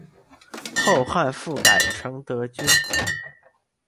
后汉复改成德军。